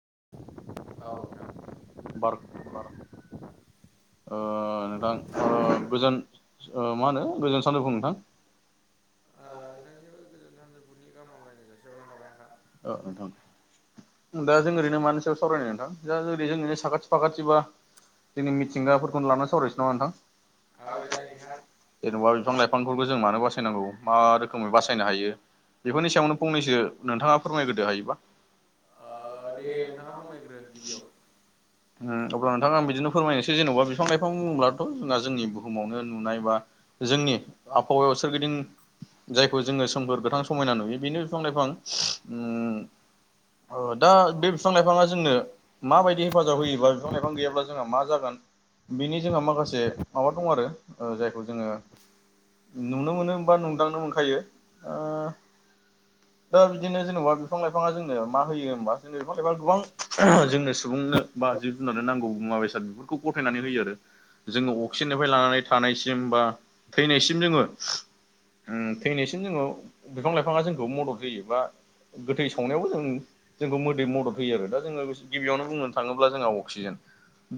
[inaudible] [unintelligible] नोंथां गोजोन मा होनो गोजोन सानजौफु नोंथां। [unintelligible] औ नोंथां। दा जों ओरैनो मानि सायाव सावरायनाय नोंथां दा ओरै जोंनि साखाथि फाखाथि बा। जोंनि मिथिंगाफोरखौनो लाना सावरायनोसै नामा नोंथां जेनेबा बिफां लाइफां जों मानो बासायनांगौ मा रोखोमै बासायनो हायो बेफोरनि सायावनो फंनैसो नोंथाङा फोरमायग्रदो हायोबा दे नोंथाङा बुंग्रोदो अब्ला नोंथां आं बिदिनो फोरमायनोसै जेनेबा बिफां लाइफां बुंब्लाथ' जोंहा जोंनि बुहुमावनो नुनाय बा जोंनि आबहावायाव सोरगिदिं जायखौ जोङो सोमखोर गोथां समायना नुयो बेनो बिफां लाइफां दा बे बिफां लाइफाङा जोंनो माबायदि हेफाजाब होयोबा बिफां लाफां गैयाब्ला जोंहा मा जागोन बेनि जोंहा माखासे माबा दं आरो जायखौ जोङो नुनो मोनो होमबा नुदांनो मोनखायो दा बिदिनो जेन'बा बिफां लाइफाङा जोंनो मा होयो होमबा जोंनो बिफां लाइफां गोबां जोंनो सुबुंनो बा जिब जुनार नांगौ मुवा बेसाद बेफोरखौ गथायनानै होयो आरो जोङो अक्सिजेननिफ्राय लानानै थानायसिम बा थैनायसिम जोङो थैनायसिम जोङो बिफां लाइफाङा जोंखौ मदद होयोबा गोथै सावनायावबो जों जोंखौ मोदै मदद होयो आरो दा जोङो गिबियावनो बुंनो थाङोब्ला जोंहा अक्सिजेन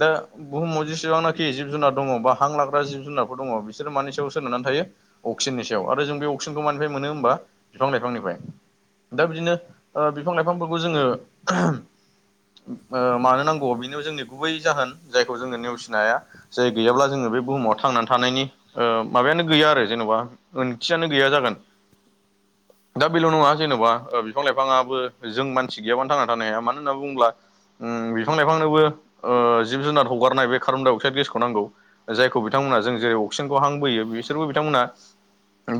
दा बुहुमाव जेसेबांनाखि जिब जुनार दङ बा हां लाग्रा जिब जुनारफोर दङ बिसोरो मानि सायाव सोनानै थायो अक्सिजेननि सायाव आरो जों बे अक्सिजेनखौ मानिफाय मोनो हमबा बिफां लाइफांनिफ्राय दा बिदिनो बिफां लाइफांफोरखौ जोङो मानो नांगौ बेनो जोंनि गुबै जाहोन जायखौ जोङो नेवसिनो हाया जाय गैयाब्ला जोङो बे बुहुमाव थां थानायनि माबायानो गैया आरो जेन'बा ओंथियानो गैया जागोन दा बेल' नङा जेन'बा बिफां लाइफाङाबो जों मानसि गैयाबानो थांना थानो हाया मानो होनना बुङोब्ला बिफां लाइफांनोबो जिब जुनार हगारनाय बे कार्बन डाइ अक्साइड गेसखौ नांगौ जायखौ बिथांमोना जों जेरै अक्सिजेनखौ हांबोयो बिसोरबो बिथांमोना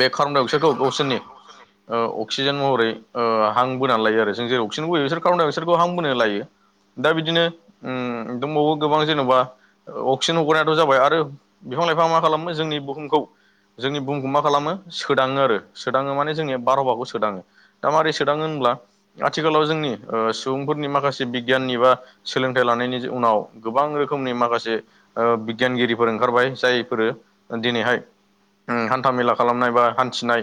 बे खारबनदाय अकसायदखौ अकसिजेनदनि अक्सिजेन महरै हां बोनानै लायो आरो जों जेरै अक्सिजेन बोयो बिसोर कारबनदाय अकसायदखौ हां बोनो लायो दा बिदिनो दंबावो गोबां जेनेबा अक्सिजेन हगारनायाथ' जाबाय आरो बिफां लाइफां मा खालामो जोंनि बुहुमखौ जोंनि बुंहुमखौ मा खालामो सोदाङो आरो सोदाङो माने जोंनिया बारहावाखौ सोदाङो दा मारै सोदाङो होन आथिखालाव जोंनि सुबुंफोरनि माखासे बिगियाननि बा सोलोंथाइ लानायनि उनाव गोबां रोखोमनि माखासे बिगियानगिरिफोर ओंखारबाय जायफोरो दिनैहाय हान्था मेला खालामनाय बा हान्थिनाय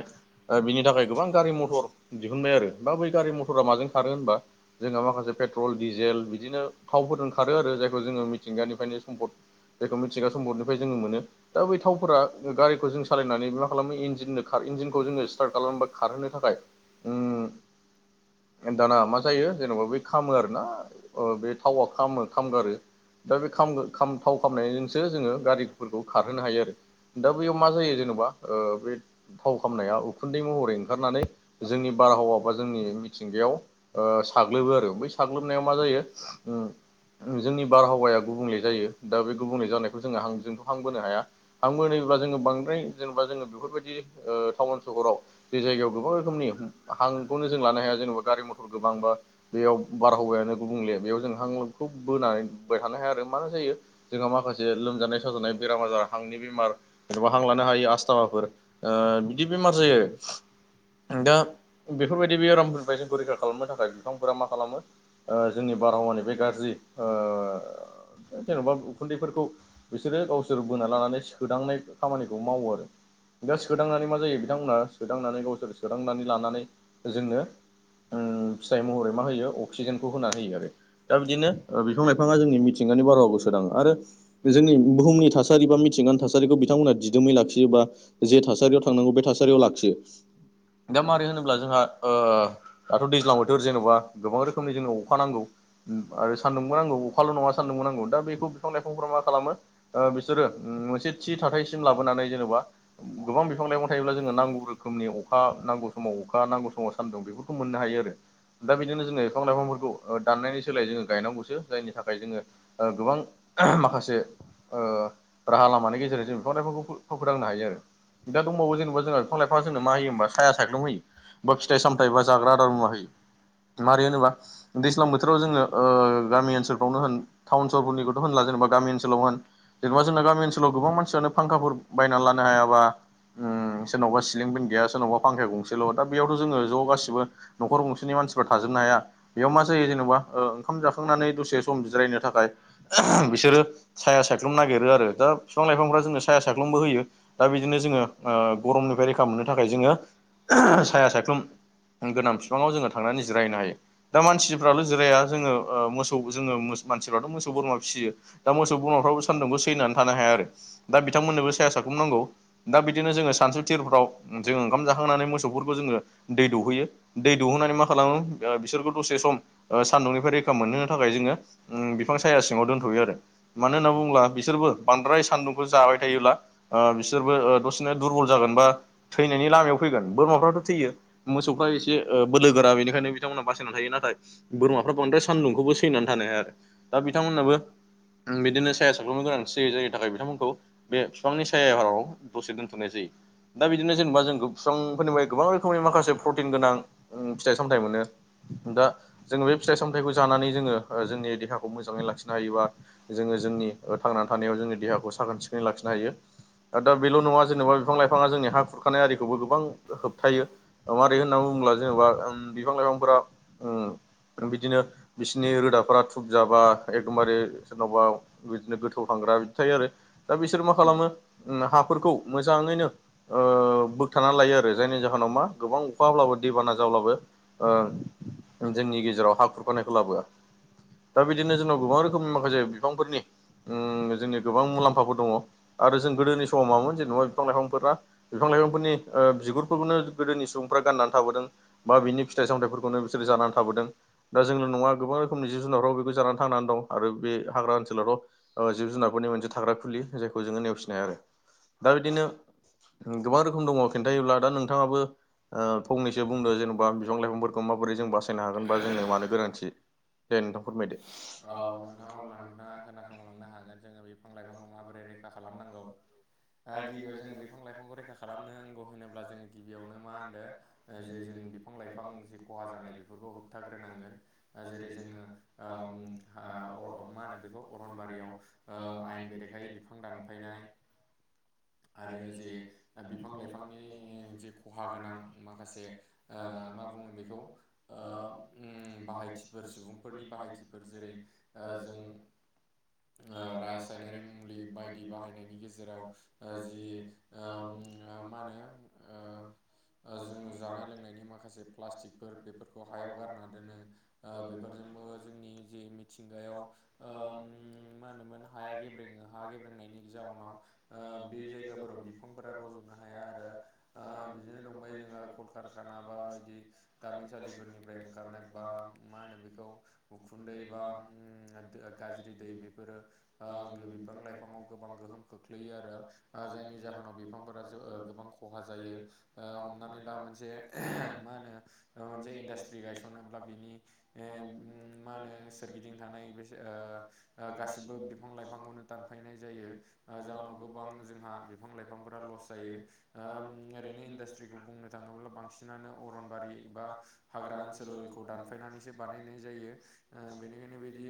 बिनि थाखाय गोबां गारि मथर दिहुनबाय आरो बा बै गारि मथरा माजों खारो होनबा जोंहा माखासे फेट्रल दिजेल बिदिनो थावफोरजों खारो आरो जायखौ जों मिथिंगानिफ्रायनो सम्द जायखौ मिथिंगा सम्दनिफ्राय जोङो मोनो दा बै थावफोरा गारिखौ जों सालाय दोननानै जों मा खालामो इन इन्जिनखौ जोङो स्टार्ट खालामनो खारहोनो थाखाय दाना मा जायो जेनबा बे खामो आरोना बे थावा खामो खामगारो दा बे थाव खालामनायजोंसो जोङो गारिफोरखौ खारहोनो हायो आरो दा बेयाव मा जायो जेन'बा बे थाव खामनाया उखुन्दै महरै ओंखारनानै जोंनि बारहावा बा जोंनि मिथिंगायाव साग्लोबो आरो बै साग्लोबनायाव मा जायो जोंनि बारहावाया गुबुंले जायो दा बे गुबुंले जानायखौ जोङो जोंथ' हांबोनो हाया हांबोनाय जेनबा जोंङो बांद्राय जेनबा जों बेफोरबायदि टाउन सहाव जे जायगायाव गोबां रोखोमनि हांखौनो जों लानो हाया जेनेबा गारि मथर गोबांबा बेयाव बारहावायानो गुबुंले बेयाव जों हांखौ बोनानै बोबाय थानो हाया आरो मा जायो जोंहा माखासे लोम जानाय साजानाय बेराम आजार हांनि बेमार जेन'बा हां लानो हायि आसस्थामाफोर बिदि बेमार जायो दा बेफोरबायदि बेररामफोरफ्राय जोंखौ रैखा खालामनो थाखाय बिफांफोरा मा खालामो जोंनि बारहावानि बे गाज्रि जेन'बा उखुन्दैफोरखौ बिसोरो गावसोर बोना लानानै सोदांनाय खामानिखौ मावो आरो दा सोदांनानै मा जायो बिथांमोनहा सोदांनानै गावसोर सोदांनानै लानानै जोंनो फिथाइ महरै मा होयो अक्सिजेनखौ होना होयो आरो दा बिदिनो बिफां लाइफाङा जोंनि मिथिंगानि बारहावबो सोदाङो आरो जोंनि बुहुमनि थसारि बा मिथिंगानि थासारिखौ बिथांमोनहा दिदोमै लाखियोबाे थासारियाव थांनांगौ बे थासारियाव ला दा मारै होनोब्ला जोंहा दाथ' दैज्लां बोथोर जेन'बा गोबां रोखोम अखा नांगौ आरो सान्दुंबो नांगौ अखाल' नङा सान्दुंबो नांगौ दा बेखौ बिफां लाइफांफोरा मा खालामो बिसोरो मोनसे थि थाथायसिम लाबोनानै जेनेबा गोबां बिफां लाइफां थायोब्ला जोंनो नांगौ रोखोमनि अखा नांगौ समाव अखा नांगौ समाव सान्दुं बेफोरखौ मोननो हायो आरो दा बिदिनो जोङो बिफां लाइफांफोरखौ दाननायनि सोलायै जोङो गायनांगौसो जायनि थाखाय जोङो गोबां माखासे ओ राहा लामानि गेजेरजों जों बिफां लाइफांखौ फोरखौ फोथांनो हायो आरो दा दंबावो जेनबा जोंना बिफां लाइफाङा जोंनो मा होयो होनबा साया सायख्लुम होयो बा फिथाइ सामथाय बा जाग्रा आदार मुवा होयो मारै होनोबा दैज्लां बोथोर आव जोङो ओ गामि ओनसोलफ्रावनो होन थाउन सहरफोरनिथ' होनला जेनेबा गामि ओनसोलाव होन जेनेबा जोंना गामि ओनसोलाव गोबां मानसियानो फांखाफोर बायनानै लानो हायाबा ओ सोरनावबा सिलिं फेन गैया सोरनावबा फांखाया गं- सेल' दा बेयावथ' जोङो ज' गासिबो न'खर गंसेनि मानसिफ्रा थाजोबनो हाया बेयाव मा जायो जेनेबा ओ ओंखाम जाखांनानै दसे सम जिरायनो थाखाय बिसोरो साया साय- ख्लुम नागिरो आरो दा बिफां लाइफांफ्रा जोंनो साया सायख्लुमबो होयो दा बिदिनो गरमनिफ्राय रैखा मोन- नो थाखाय जोङो साया सायख्लुम गोनां बिफाङाव जोङो थांनानै जिराय हैनो हायो दा मानसिफ्राल जिराया जोङो ओ मोसौ जोङो मानसिफ्राथ' मोसौ बोरमा फिसियो दा मोसौ बोरमाफोर- सान्दुंखौ सैनानै थानो हाया आरो दा बिथांमोननोबो साया सायख्लुमखौ नांगौ दा बिदिनो जोङो सानसु थिरफ्राव जो ओंखाम जाखांनानै मोसौफोरखौ जोङो दै दौहैयो दै दौहोननानै मा खालामो बिसोरखौ दसे सम सानदुंनिफ्राय रैखा मोनहोनो थाखाय जोङो बिफां साया सिङाव दोनथ'यो आरो मानो होनना बुङो- ब्ला बिसोरबो बांद्राय सानदुंखौ जाबाय थायोब्ला ओ बिसोरबो ओ दसेनो दुरबल जागोन बा थैनायनि लामायाव फैगोन बोरमाफ्राथ' थैयो मोसौफ्रा एसे ओ बोलोगोरा बेनिखायनो बिथांमोना बासि- नानै थायो नाथाय बोरमाफ्रा बांद्राय सान्दुंखौबो सैनानै थानो हाया आरो दा बिथांमोननोबो बिदिनो साया सायख्लुमनि गोनांथि जायो जायनि थाखाय बिथांमोनखौ बे बिफांनि सायायाव‌ दसे दोनथ'नाय जायो दा बिदिनो जेनेबा जोंखौ बिफांफोरनिफ्राय गोबां रोखोमनि माखासे प्रटिन गोनां उम फिथाइ सामथाइ मोनो दा जोङो बे फिथाइ सामथाइखौ जानानै जोङो ओ जोंनि देहाखौ मोजाङै लाखिनो हायोबा जोङो जोंनि थांनानै थानायाव जोंनि देहाखौ साखोन सिखोनै लाखिनो हायो दा बेल' नङा जेनेबा बिफां लाइफाङा जोंनि हा खुरखानाय आरिखौबो गोबां होबथायो मारै होनना बुङो- ब्ला जेनेबा बिफां लाइफांफोरा बिदिनो बिसोरनि रोदाफोरा धुबजाबा एगदमबारे सोरनाबा बिदिनो गोथौ थां- ग्रा बिदि थायो आरो दा बिसोर मा खालामो उम हाफोरखौ मोजाङैनो ओ बोगथानानै‌ लायो आरो जायनि जाहोनाव मा गोबां अखा हाब्लाबो दैबाना जाब्लाबो जोंनि गेजेराव हा खुरखानायखौ लाबोआ दा बिदिनो जोंनाव गोबां रोखोमनि माखासे बिफांफोरनि उम जोंनि गोबां मुलाम्फाफोर दङ आरो जों गोदोनि समाव मामोन जेनेबा बिफां लाइफांफोरा बिफां लाइफांफोरनि ओ बिगुरफोरखौनो गोदोनि सुबुंफ्रा गाननानै थाबोदों बा बिनि फिथाइ सामथाइफोरखौनो बिसोर‌ जानानै थाबोदों दा जोंल' नङा गोबां रोखोमनि जिब जुनारफ्राबो बेखौ जानानै थांनानै दं आरो बे हाग्रा ओनसोलावथ' जिब जुनार फोरनि मोनसे थाग्रा खुलि जायखौ जोङो नेवसिनो‌ हाया आरो दा बिदिनो गोबां रोखोम दङ खिन्थायोब्ला दा नोंथाङाबो ओ फंनैसो बुंदो जेन'बा बिफां लाइफांफोरखौ माबोरै जों बासायनो हागोन बा जोंनो मानो गोनांथि दे नोंथां फोरमायदो रैखा खालामनांगौ अ गिबियाव जोङो बिफां लाइफांखौ रैखा खालामनो नांगौ होनोब्ला जोङो गिबियावनो मा होनदों जे जोङ बिफां लाइफां जि खहा जानाय बेफोरखौ होबथा ग्रोनांगोन आ जेरै जोङो ओ मा होनो बेखौ अरनबारियाव ओ आयेन बेरेखायै बिफां दानफायनाय [inaudible] आरो जे बिफां लाइफांनि जे खहा गोनां माखासे ओ मा बुङो बेखौ बेखौ आ उम बाहायथिफोर सुबुंफोरनि बाहायथिफोर जेरै आ जों आ रासायनारि मुलि बायदि बाहायनायनि गेजेराव ओ जि ओ मा होनो ओ ओ जोङो जानाय लोंनायनि माखासे फ प्लास्टिकफोर बेफोरखौ होना दोनो आ बेफोरजोंबो जोंनि जि मिथिंगायाव ओ मा होनो मोन हाया गेब्रेङो हा गेब्रेंनायनि जाहुनाव आ बे जायगाफोराव बिफांफोरा रज'नो हाया आरो आ बिदिनो दंबाय जोंहा कलकारखाना बा बिदि दामिनसालिफोरनिफ्राय खारारनाय बा मा होनो बेखौ उखुन्दै बा ओम दु गाज्रि दै बेफोरो आं बि बिफां लाइफांयाव गोबां गोहोम खोख्लैयो आरो जायनि जाहोनाव बिफांफोरा जो ओ गो बां खहा जायो आ हमनानै ला मोनसे मा होनो ओ मोनसे इनदास्ट्रि गायस सनोब्ला बिनि ए ओम मा होनो सोरगिदिं थानाय बेसे ओ गासिबो बिफां लाइफांखौनो दानफायनाय जायो जाउनाव गोबां जोंहा बिफां लाइफांफोरा लस जायो। आम ओरैनो इन्डासट्रिखौ बुंनो थाङोब्ला बांसिनानो अरनबारि बा हाग्रा ओनसोफोलखौ दानफायनानैसो बानायनाय जायो बेनिखायनो बिदि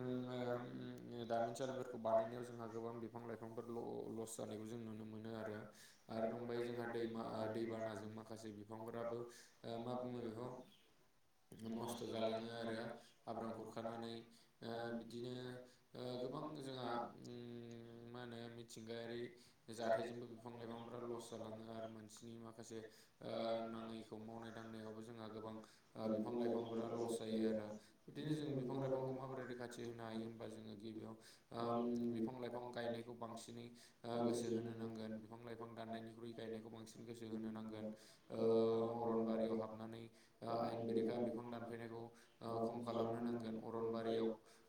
ओम आ ओम दामिनसालिफोरखौ बानायनायाव जोंहा गोबां बिफां लाइफांफोर ल लस जानायखौ जों नुनो मो मोनो आरो आरो दंबाय जोंहा दैमा दैबानाजों माखासे बिफांफोराबो बुङो बेखौ नस्थ' जालाङो आरो हाब्रां गुरखानानै ओ बिदिनो ओ गोबां जोंहा ओम मा होनो मिथिंगायारि जाथायजोंबो बिफां लाइफांफ्रा ल स जालाङो आरो मानसि माखासे आ नाङैखौ मावनाय जोंहा गोबां बिफां लाइफांफोरा लस जायो आरो बिदिनो जों बिफां लाइफांखौ माबोरै रैखाथि होयो हायो होनबा जोङो गिबियाव आम बिफां लाइफां गायनायखौ बांसिनै गोसो होनो नांगो गोन बिफां लाइफां थांनायनिफ्राय बिफां लाइफां खारनायखौ बैसो होनो नांगोन ओ अरन बारियाव हाब हाबनानै आ आयेन बेरेखा बिफां दानफैनायखौ आ खम खालामनो नांगोन अरनबारियाव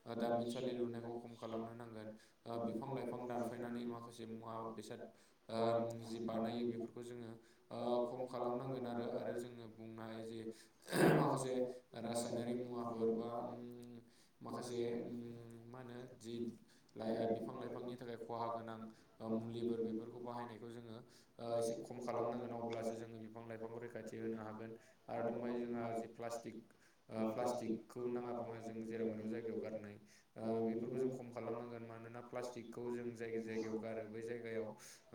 आं दामिनसालि लुनायखौ खम खालामनो नांगोन आ बिफां लाइफां दानफायनानै माखासे मुवा बेसाद आ जि बानायो बेफोरखौ जोङो खम खालामनांगोन आरो आरो जोङो बुंनो हायो जे माखासे रासायनारि मुवाफोर बा ओम माखासे से ओम मा होनो बिफां लाइफांनि थाखाय खहा गोनां मुलिफोर बेफोरखौ बाहायनायखौ जोङो आ एसे खम खालामनांगोन अब्लासो जोङो बिफां लाइफांखौ रैखाथि होनो हागोन आरो दंहाय जोंहा जे प्लास्टिक प्लास्टिकखौ नाङा फाङा जों जेराव मेराव जायगायाव गार रनाय बेफोरखौ जों खम खालामनांगोन मानोना प्लास्टिकखौ जों जायग जायगायाव गारो बै जायगायाव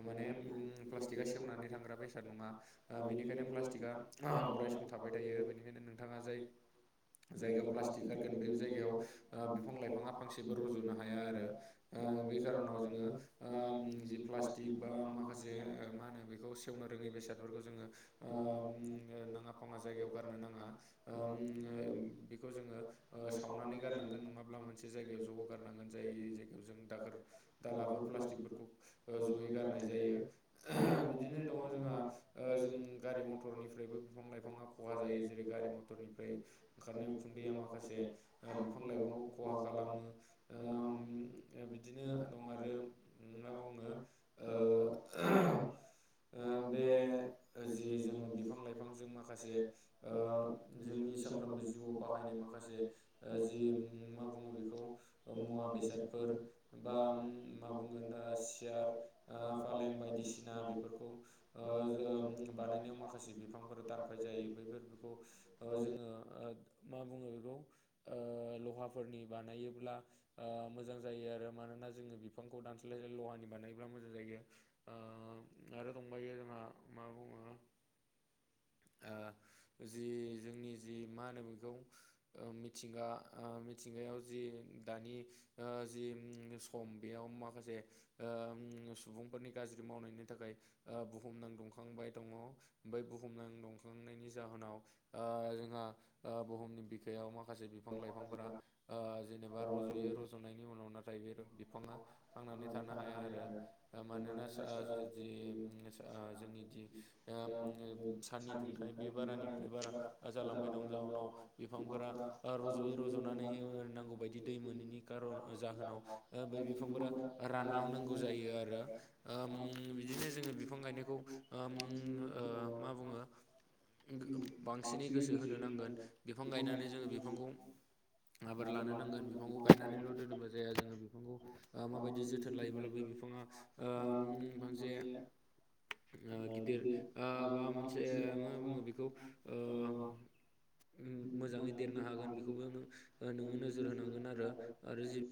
माने ओम प्लास्टिक सेवनानै थांग्रा बेसाद नङा आ बेनिखायनो प्लास्टिकआ अराय सम थाबाय थायो बेनिखायनो नोंथाङा जाय जायगायाव प्लास्टिक गारगोन बे जायगायाव आ बिफां लाइफाङा फांसेबो रज'नो हाया आरो बे कार'नाव जोङो आ जि प्लास्टिक बा माखासे मा होनो बेखौ सेवनो रो रोङि बेसादफोरखौ जोङो नाङा फाङा जायगायाव गारनो नाङा खम ओम बेखौ जोङो सावनानै गार नांगोन नङाब्ला मोनसे जायगायाव ज गारनांगोन जाय जायगायाव जों दाखोर दालाफोर प्लाटिकफोरखौ ओ जयै गारनाय जायो बिदिनो दङ जोंहा ओ जों गारि मथर रनिफ्रायबो बिफां लाइफाङा खहा जायो जेरै गारि मथरनिफ्राय ओंखारनाय उखुन्दैया माखासे बिफां लाइफांखौ खहा खालामो आम बिदिनो दं आरो अ ओ बे जि जोङो बिफ बिफां लाइफांजों माखासे ओ जोंनि सानफ्रामबो जिउआव बाहायनाय माखासे ओ जि जि मा बुङो बेखौ ओ मुवा बेसादफोर बा मा बुङो सियार आं फालें बायदिसिना बेफोरखौ ओ ज बानायनायाव माखसे बिफांफोरा दानफाय जायो बैफोरखौ ओ जोङो ओ मा बुङो बेखौ ओ लहाफोरनि बानायोबब्ला मोजां जायो आरो मान मानोना जोङो बिफांखौ दानस्लाय्लाय लहानि बानायोब्ला मोजां जायो आ आरो दंबायो जोंहा मा बुंङो [inaudible] जि जोंनि जि मा होनो बेखौ मिथिंगा मिथिंगायाव जि दानि जि सम बेयाव माखासे सुबुंफोरनि गा ज मावनायनि थाखाय बुहुम नां दुंखांबाय दङ। बै बुहुमना दंखांनायनि जाहोनाव जोंहा बुहुमनि बिखायाव मा माखासे बिफां लाइफांफोरा जेनेबा रज'यो रज'नायनि उनाव नाथाय बे बिफाङा थांनानै थानो हाया आरो मानोना जि ओ जोंनि ओ साननि दुंथाइ बे बारानिफ्राय बारा जालांबाय दं जाउनाव बिफांफोरा रज' बे रज'नानै नांगौ बायदि दै मोनैनि खारन जाहोनाव बिफांफोरा रानलांनांगौ जायो आरो ओ बिदिनो जोङो बिफां गायनायखौ [unintelligible] मा बुङो बांसिनै गोसो होनो नांगोन बिफां गायनानै जोङो बिफांखौ आबोद लानो नांगोन बिफांखौ गायनानैल' दोनोबा जाया जोङो बिफांखौ माबायदि जोथोन लायोब्ला बे बिफाङा ओ फांसे गिदिर बा मोनसे मा बुङो बेखौ मोजाङै देरनो हागोन बेखौबो नोङो नोजोर होनांगोन आरो आरो जि